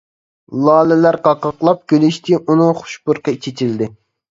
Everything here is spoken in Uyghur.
لالىلەر قاقاقلاپ كۈلۈشتى، ئۇنىڭ خۇش پۇرىقى چېچىلدى.